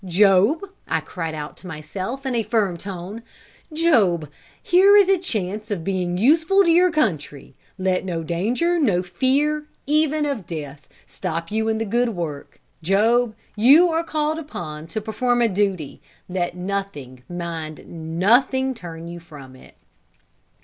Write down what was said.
"Job," I cried out to myself, in a firm tone, "Job, here is a chance of being useful to your country; let no danger, no fear, even of death, stop you in the good work. Job, you are called upon to perform a duty, and let nothing, mind nothing, turn you from it."